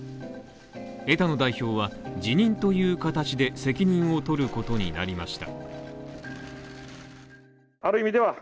枝野代表は辞任という形で責任をとることになりました。